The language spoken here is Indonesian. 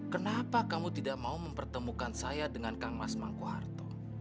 kenapa kamu tidak mau mempertemukan saya dengan kang mas mangku harto